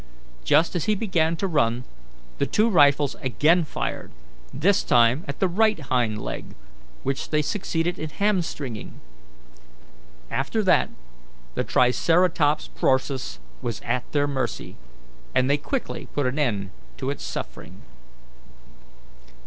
Just as he began to run, the two rifles again fired, this time at the right hind leg, which they succeeded in hamstringing. After that the Triceratops prorsus was at their mercy, and they quickly put an end to its suffering.